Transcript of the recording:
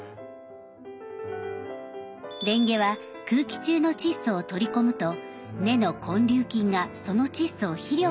レンゲは空気中の窒素を取り込むと根の根粒菌がその窒素を肥料に変えてくれます。